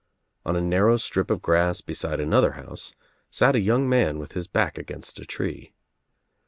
On a narrow strip of grass beside another house sat a young man with his back against a tree.